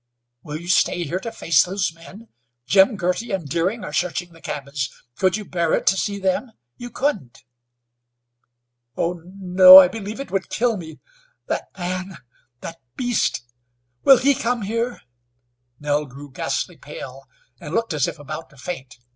Will you stay here to face those men? Jim Girty and Deering are searching the cabins. Could you bear it to see them? You couldn't." "Oh! No, I believe it would kill me! That man! that beast! will he come here?" Nell grew ghastly pale, and looked as if about to faint.